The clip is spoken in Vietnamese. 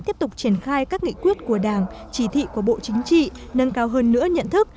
tiếp tục triển khai các nghị quyết của đảng chỉ thị của bộ chính trị nâng cao hơn nữa nhận thức